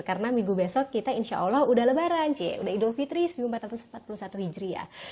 karena minggu besok kita insya allah udah lebaran udah idul fitri seribu empat ratus empat puluh satu hijri ya